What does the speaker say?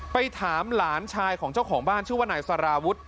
ไปถามหลานชายของเจ้าของบ้านชื่อว่านายสารวุฒิ